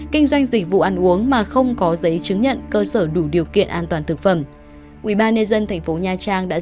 kinh doanh dịch vụ ăn uống mà không có giấy chứng nhận cơ sở đủ điều kiện an toàn thực phẩm